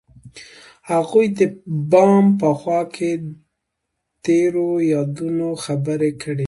هغوی د بام په خوا کې تیرو یادونو خبرې کړې.